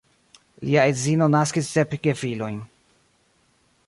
Lia edzino naskis sep gefilojn.